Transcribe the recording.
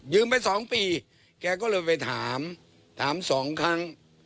ยืมไป๒ปีแกก็เลยไปถาม๒ครั้ง